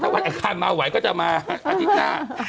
ถ้าวันแอทศารีย์มาไหวก็จะมาอาชิตน่า